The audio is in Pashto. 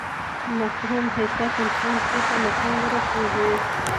مفهوم اساس انسانان پورته مقام ورسېږي.